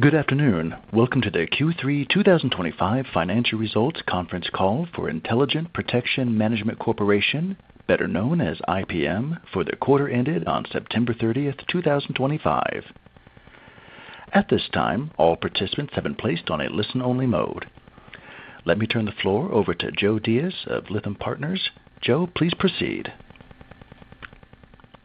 Good afternoon. Welcome to the Q3 2025 financial results conference call for Intelligent Protection Management Corporation, better known as IPM, for the quarter ended on September 30th, 2025. At this time, all participants have been placed on a listen-only mode. Let me turn the floor over to Joe Diaz of Lytham Partners. Joe, please proceed.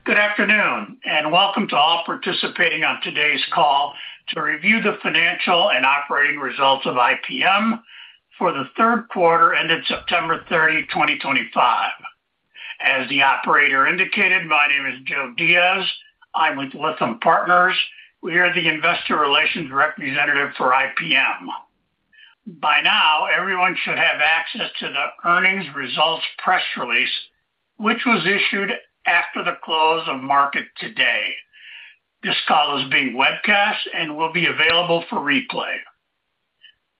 Good afternoon and welcome to all participating on today's call to review the financial and operating results of IPM for the third quarter ended September 30, 2025. As the operator indicated, my name is Joe Diaz. I'm with Lytham Partners. We are the investor relations representative for IPM. By now, everyone should have access to the earnings results press release, which was issued after the close of market today. This call is being webcast and will be available for replay.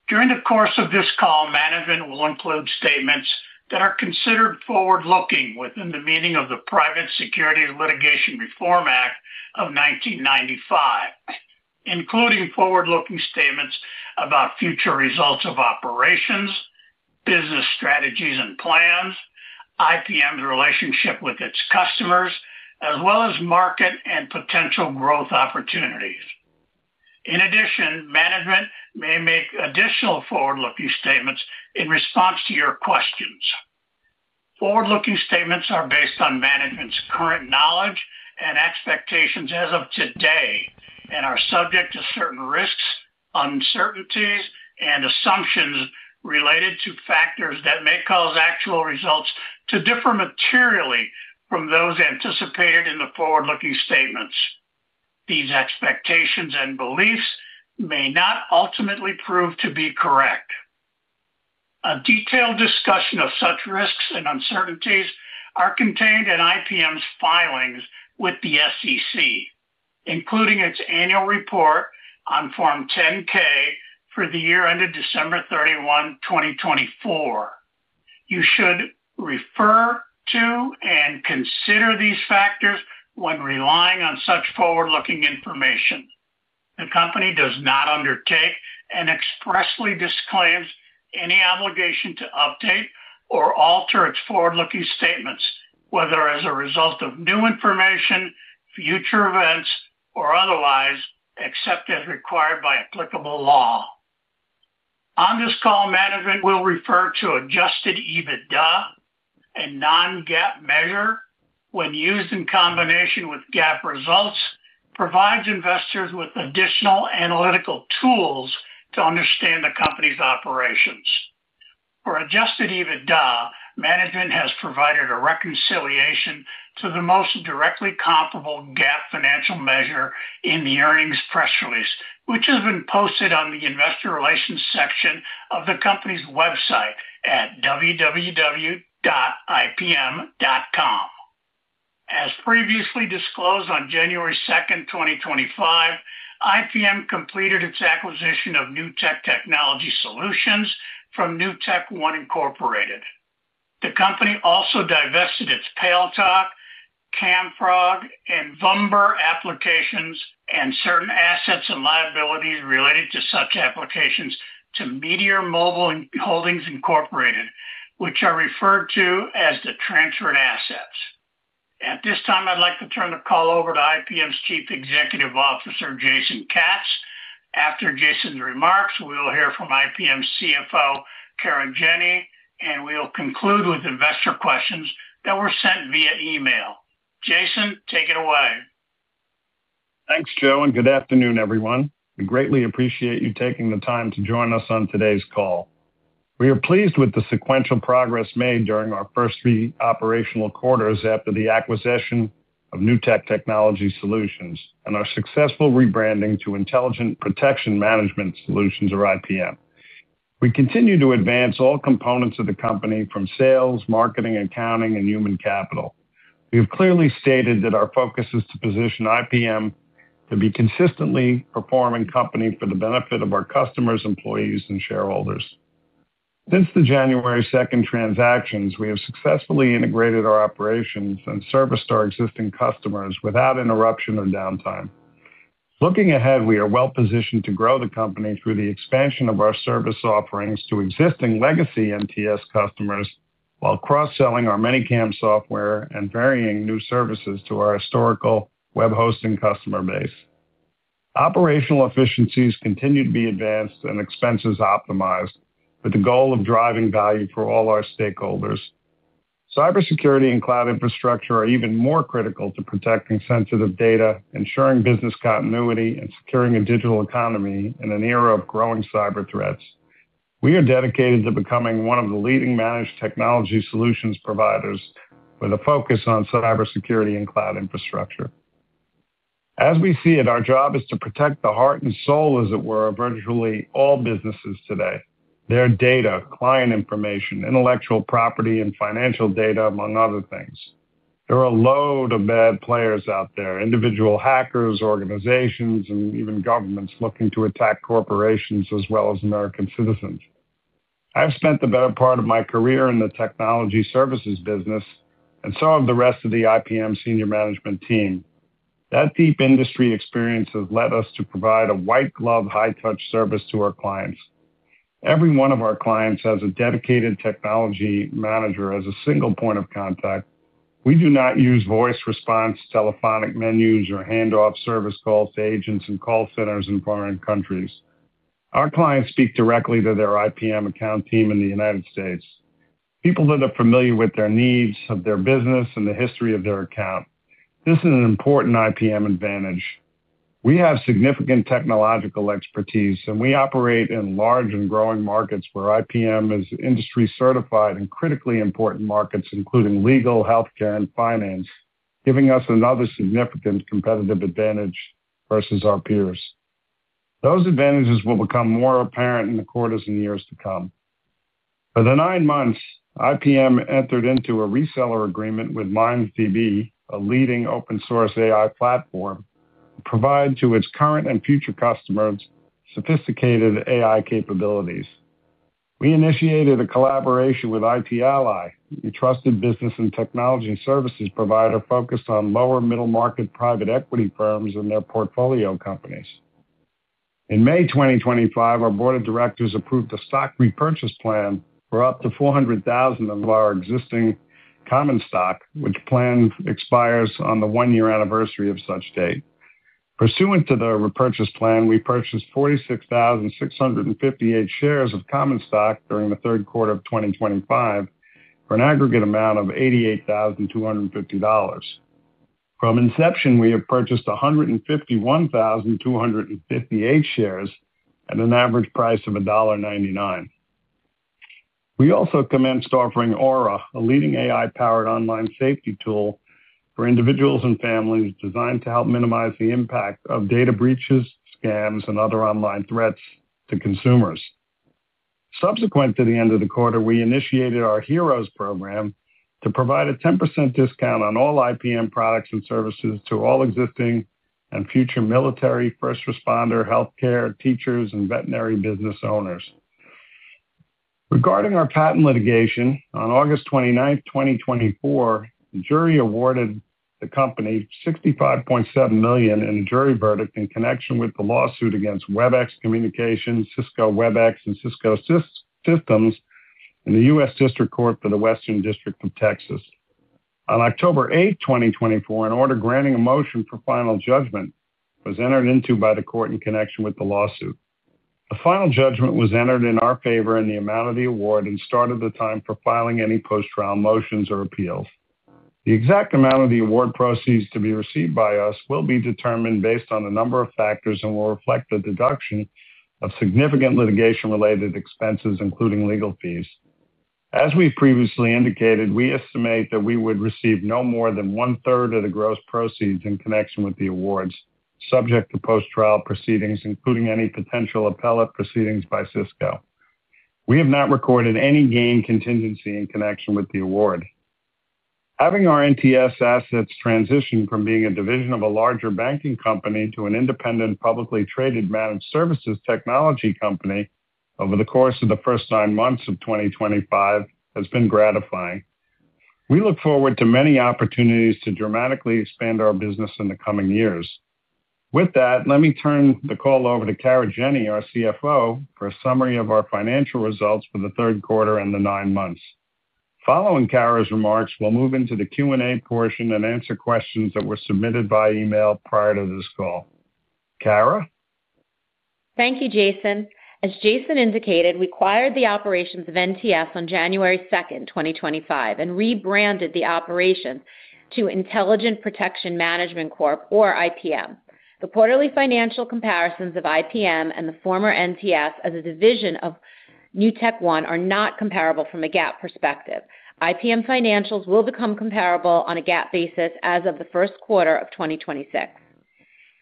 During the course of this call, management will include statements that are considered forward-looking within the meaning of the Private Securities Litigation Reform Act of 1995, including forward-looking statements about future results of operations, business strategies and plans, IPM's relationship with its customers, as well as market and potential growth opportunities. In addition, management may make additional forward-looking statements in response to your questions. Forward-looking statements are based on management's current knowledge and expectations as of today and are subject to certain risks, uncertainties, and assumptions related to factors that may cause actual results to differ materially from those anticipated in the forward-looking statements. These expectations and beliefs may not ultimately prove to be correct. A detailed discussion of such risks and uncertainties is contained in IPM's filings with the SEC, including its annual report on Form 10-K for the year ended December 31, 2024. You should refer to and consider these factors when relying on such forward-looking information. The company does not undertake and expressly disclaims any obligation to update or alter its forward-looking statements, whether as a result of new information, future events, or otherwise, except as required by applicable law. On this call, management will refer to adjusted EBITDA, a non-GAAP measure when used in combination with GAAP results, which provides investors with additional analytical tools to understand the company's operations. For adjusted EBITDA, management has provided a reconciliation to the most directly comparable GAAP financial measure in the earnings press release, which has been posted on the investor relations section of the company's website at www.ipm.com. As previously disclosed on January 2, 2025, IPM completed its acquisition of New Tech Technology Solutions from New Tech One. The company also divested its Pale Talk, Camfrog, and Vumber applications and certain assets and liabilities related to such applications to Meteor Mobile Holdings, which are referred to as the transferred assets. At this time, I'd like to turn the call over to IPM's Chief Executive Officer, Jason Katz. After Jason's remarks, we'll hear from IPM's CFO, Karen Jenny, and we'll conclude with investor questions that were sent via email. Jason, take it away. Thanks, Joe, and good afternoon, everyone. We greatly appreciate you taking the time to join us on today's call. We are pleased with the sequential progress made during our first three operational quarters after the acquisition of New Tech Technology Solutions and our successful rebranding to Intelligent Protection Management Solutions or IPM. We continue to advance all components of the company from sales, marketing, accounting, and human capital. We have clearly stated that our focus is to position IPM to be a consistently performing company for the benefit of our customers, employees, and shareholders. Since the January 2rd transactions, we have successfully integrated our operations and serviced our existing customers without interruption or downtime. Looking ahead, we are well positioned to grow the company through the expansion of our service offerings to existing legacy NTS customers while cross-selling our many CAM software and varying new services to our historical web hosting customer base. Operational efficiencies continue to be advanced and expenses optimized with the goal of driving value for all our stakeholders. Cybersecurity and cloud infrastructure are even more critical to protecting sensitive data, ensuring business continuity, and securing a digital economy in an era of growing cyber threats. We are dedicated to becoming one of the leading managed technology solutions providers with a focus on cybersecurity and cloud infrastructure. As we see it, our job is to protect the heart and soul, as it were, of virtually all businesses today: their data, client information, intellectual property, and financial data, among other things. There are a load of bad players out there: individual hackers, organizations, and even governments looking to attack corporations as well as American citizens. I've spent the better part of my career in the technology services business and so have the rest of the IPM senior management team. That deep industry experience has led us to provide a white-glove, high-touch service to our clients. Every one of our clients has a dedicated technology manager as a single point of contact. We do not use voice response, telephonic menus, or handoff service calls to agents and call centers in foreign countries. Our clients speak directly to their IPM account team in the United States, people that are familiar with their needs, their business, and the history of their account. This is an important IPM advantage. We have significant technological expertise, and we operate in large and growing markets where IPM is industry certified in critically important markets, including legal, healthcare, and finance, giving us another significant competitive advantage versus our peers. Those advantages will become more apparent in the quarters and years to come. For the nine months, IPM entered into a reseller agreement with MindDB, a leading open-source AI platform to provide to its current and future customers sophisticated AI capabilities. We initiated a collaboration with IT Ally, a trusted business and technology services provider focused on lower-middle market private equity firms and their portfolio companies. In May 2025, our board of directors approved a stock repurchase plan for up to 400,000 of our existing common stock, which plan expires on the one-year anniversary of such date. Pursuant to the repurchase plan, we purchased 46,658 shares of common stock during the third quarter of 2025 for an aggregate amount of $88,250. From inception, we have purchased 151,258 shares at an average price of $1.99. We also commenced offering Aura, a leading AI-powered online safety tool for individuals and families designed to help minimize the impact of data breaches, scams, and other online threats to consumers. Subsequent to the end of the quarter, we initiated our Heroes program to provide a 10% discount on all IPM products and services to all existing and future military, first responder, healthcare, teachers, and veterinary business owners. Regarding our patent litigation, on August 29th, 2024, a jury awarded the company $65.7 million in a jury verdict in connection with the lawsuit against WebEx Communications, Cisco WebEx, and Cisco Systems in the U.S. District Court for the Western District of Texas. On October 8th, 2024, an order granting a motion for final judgment was entered into by the court in connection with the lawsuit. The final judgment was entered in our favor in the amount of the award and started the time for filing any post-trial motions or appeals. The exact amount of the award proceeds to be received by us will be determined based on a number of factors and will reflect the deduction of significant litigation-related expenses, including legal fees. As we previously indicated, we estimate that we would receive no more than one-third of the gross proceeds in connection with the awards, subject to post-trial proceedings, including any potential appellate proceedings by Cisco. We have not recorded any gain contingency in connection with the award. Having our NTS assets transition from being a division of a larger banking company to an independent publicly traded managed services technology company over the course of the first nine months of 2025 has been gratifying. We look forward to many opportunities to dramatically expand our business in the coming years. With that, let me turn the call over to Kara Jenny, our CFO, for a summary of our financial results for the third quarter and the nine months. Following Kara's remarks, we'll move into the Q&A portion and answer questions that were submitted by email prior to this call. Kara? Thank you, Jason. As Jason indicated, we acquired the operations of New Tech Technology Solutions on January 2, 2025, and rebranded the operations to Intelligent Protection Management, or IPM. The quarterly financial comparisons of IPM and the former New Tech Technology Solutions as a division of New Tech One are not comparable from a GAAP perspective. IPM financials will become comparable on a GAAP basis as of the first quarter of 2026.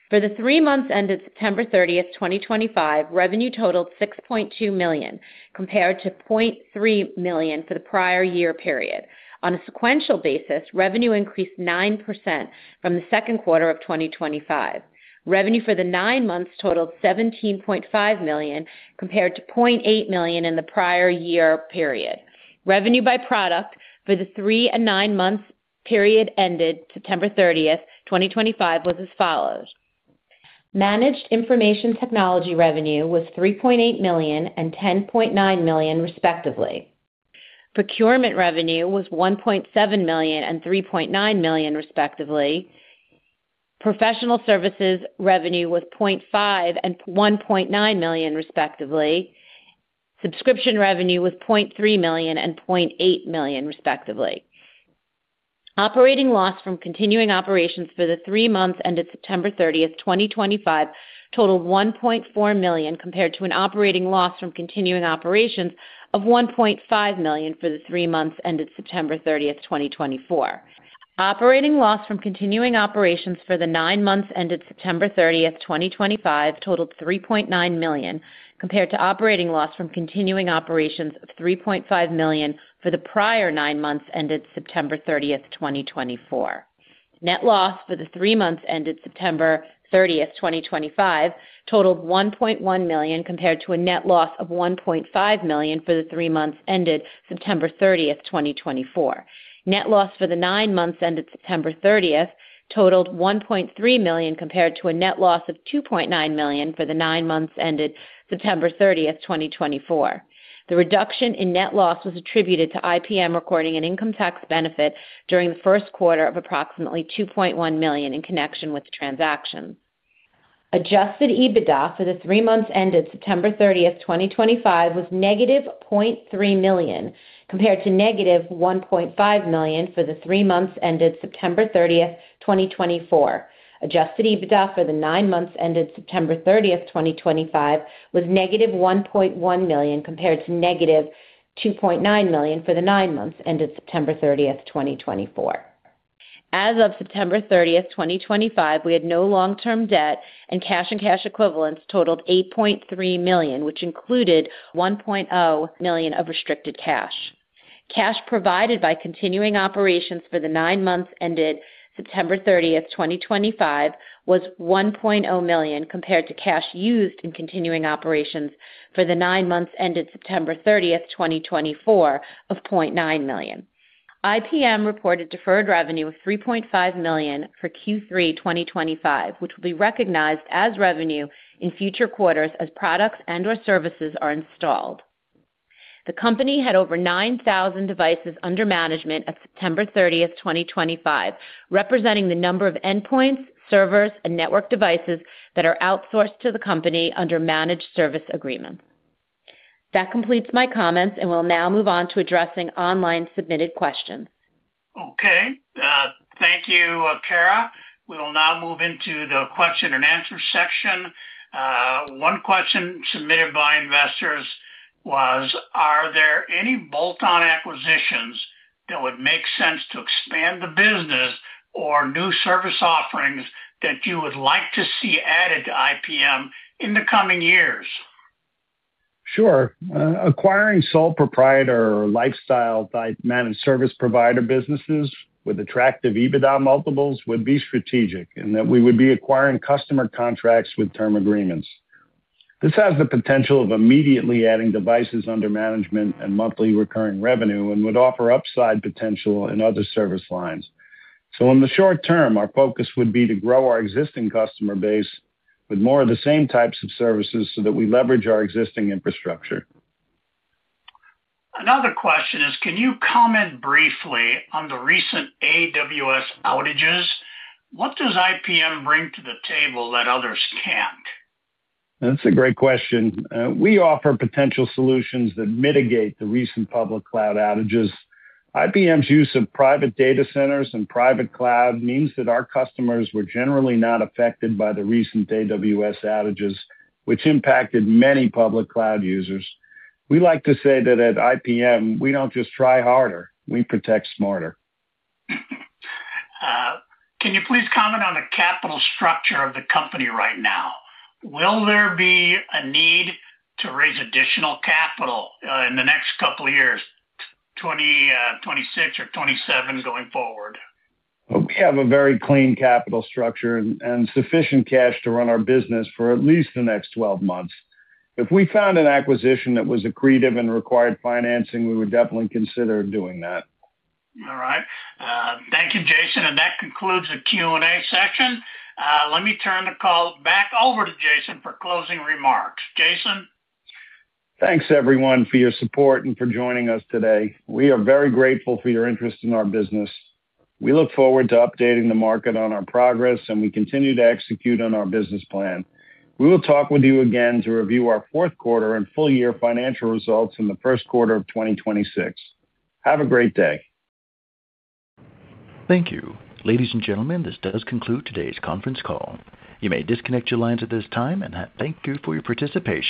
For the three months ended September 30, 2025, revenue totaled $6.2 million, compared to $0.3 million for the prior year period. On a sequential basis, revenue increased 9% from the second quarter of 2025. Revenue for the nine months totaled $17.5 million, compared to $0.8 million in the prior year period. Revenue by product for the three and nine months period ended September 30, 2025, was as follows. Managed information technology revenue was $3.8 million and $10.9 million, respectively. Procurement revenue was $1.7 million and $3.9 million, respectively. Professional services revenue was $0.5 million and $1.9 million, respectively. Subscription revenue was $0.3 million and $0.8 million, respectively. Operating loss from continuing operations for the three months ended September 30t, 2025, totaled $1.4 million, compared to an operating loss from continuing operations of $1.5 million for the three months ended September 30, 2024. Operating loss from continuing operations for the nine months ended September 30, 2025, totaled $3.9 million, compared to operating loss from continuing operations of $3.5 million for the prior nine months ended September 30th, 2024. Net loss for the three months ended September 30th, 2025, totaled $1.1 million, compared to a net loss of $1.5 million for the three months ended September 30, 2024. Net loss for the nine months ended September 30th totaled $1.3 million, compared to a net loss of $2.9 million for the nine months ended September 30th, 2024. The reduction in net loss was attributed to IPM recording an income tax benefit during the first quarter of approximately $2.1 million in connection with transactions. Adjusted EBITDA for the three months ended September 30th, 2025, was -$0.3 million, compared to -$1.5 million for the three months ended September 30th, 2024. Adjusted EBITDA for the nine months ended September 30th, 2025, was -$1.1 million, compared to -$2.9 million for the nine months ended September 30th, 2024. As of September 30th, 2025, we had no long-term debt, and cash and cash equivalents totaled $8.3 million, which included $1.0 million of restricted cash. Cash provided by continuing operations for the nine months ended September 30, 2025, was $1.0 million, compared to cash used in continuing operations for the nine months ended September 30, 2024, of $0.9 million. IPM reported deferred revenue of $3.5 million for Q3 2025, which will be recognized as revenue in future quarters as products and/or services are installed. The company had over 9,000 devices under management at September 30th, 2025, representing the number of endpoints, servers, and network devices that are outsourced to the company under managed service agreements. That completes my comments and will now move on to addressing online submitted questions. Okay. Thank you, Kara. We will now move into the question and answer section. One question submitted by investors was, are there any bolt-on acquisitions that would make sense to expand the business or new service offerings that you would like to see added to IPM in the coming years? Sure. Acquiring sole proprietor or lifestyle-type managed service provider businesses with attractive EBITDA multiples would be strategic in that we would be acquiring customer contracts with term agreements. This has the potential of immediately adding devices under management and monthly recurring revenue and would offer upside potential in other service lines. In the short term, our focus would be to grow our existing customer base with more of the same types of services so that we leverage our existing infrastructure. Another question is, can you comment briefly on the recent AWS outages? What does IPM bring to the table that others can't? That's a great question. We offer potential solutions that mitigate the recent public cloud outages. IPM's use of private data centers and private cloud means that our customers were generally not affected by the recent AWS outages, which impacted many public cloud users. We like to say that at IPM, we don't just try harder; we protect smarter. Can you please comment on the capital structure of the company right now? Will there be a need to raise additional capital in the next couple of years, 2026 or 2027 going forward? We have a very clean capital structure and sufficient cash to run our business for at least the next 12 months. If we found an acquisition that was accretive and required financing, we would definitely consider doing that. All right. Thank you, Jason. That concludes the Q&A section. Let me turn the call back over to Jason for closing remarks. Jason? Thanks, everyone, for your support and for joining us today. We are very grateful for your interest in our business. We look forward to updating the market on our progress, and we continue to execute on our business plan. We will talk with you again to review our fourth quarter and full-year financial results in the first quarter of 2026. Have a great day. Thank you. Ladies and gentlemen, this does conclude today's conference call. You may disconnect your lines at this time and thank you for your participation.